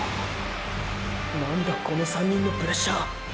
何だこの３人のプレッシャー！！！